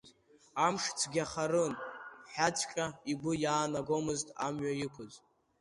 Амш цәгьахарын ҳәаҵәҟьа игәы иаанагомызт амҩа иқәыз.